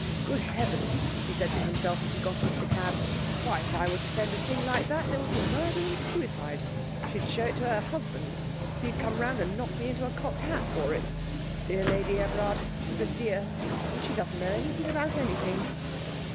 'Good heavens!' he said to himself, as he got into the cab, 'why, if I were to send a thing like that there would be murder and suicide! She'd show it to her husband, and he'd come round and knock me into a cocked hat for it. Dear Lady Everard she's a dear, but she doesn't know anything about anything.'